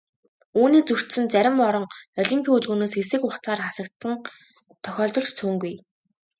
Үүнийг зөрчсөн зарим орон олимпын хөдөлгөөнөөс хэсэг хугацаагаар хасагдсан тохиолдол ч цөөнгүй.